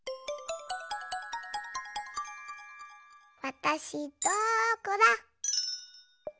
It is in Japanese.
わたしどこだ？